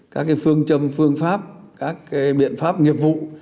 các cái phương châm phương pháp các cái biện pháp nghiệp vụ